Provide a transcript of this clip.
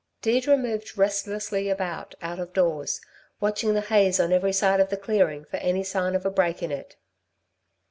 Deirdre moved restlessly about out of doors, watching the haze on every side of the clearing for any sign of a break in it.